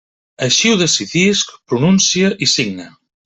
Així ho decidisc, pronuncie i signe.